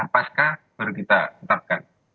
pasca baru kita tetapkan